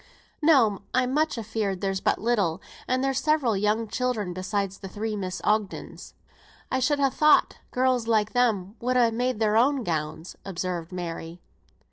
"No, I'm much afeared there's but little, and there's several young children, besides the three Miss Ogdens." "I should have thought girls like them would ha' made their own gowns," observed Mary.